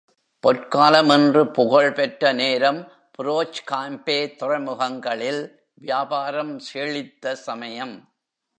பொற்காலம் என்று புகழ்பெற்ற நேரம், புரோச் காம்பே துறைமுகங்களில் வியாபாரம் செழித்த சமயம்.